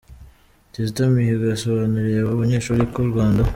Kizito Mihigo yasobanuriye abo banyeshuri ko u Rwanda.